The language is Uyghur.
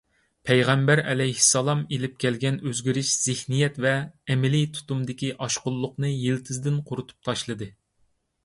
پەيغەمبەر ئەلەيھىسسالام ئېلىپ كەلگەن ئۆزگىرىش زېھنىيەت ۋە ئەمەلىي تۇتۇمدىكى ئاشقۇنلۇقنى يىلتىزىدىن قۇرۇتۇپ تاشلىدى.